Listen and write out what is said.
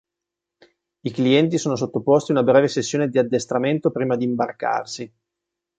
I clienti sono sottoposti a una breve sessione di addestramento prima di imbarcarsi.